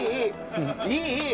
「いいいい！